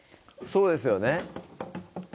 そうですよね